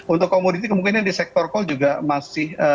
untuk komoditi kemungkinan di sektor call juga masih